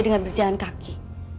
dengan berjalan kaki